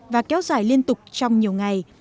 và kéo dài liên tục trong nhiều ngày